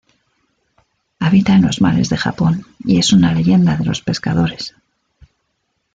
Habita en los mares de Japón y es una leyenda de los pescadores.